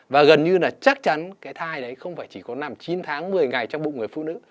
và gần như là chắc chắn cái thai đấy không phải chỉ có năm chín tháng một mươi ngày trong bụng người phụ nữ